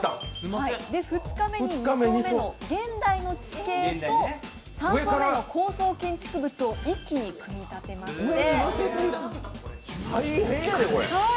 ２日目に２層目の現代の地形と３層目の高層建築物を一気に組み立てまして。